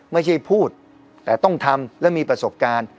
ไม่ใช่พูดแต่ต้องทำและมีประสบการณ์